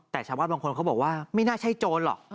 แต่ชาวบ้านบางคนเขาบอกว่าไม่น่าใช่โจรหรอก